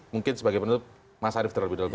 mungkin sebagai penutup mas arief terlebih dahulu